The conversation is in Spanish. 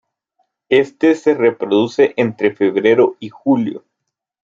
Este se reproduce entre Febrero y Julio.